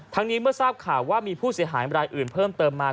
นี้เมื่อทราบข่าวว่ามีผู้เสียหายรายอื่นเพิ่มเติมมา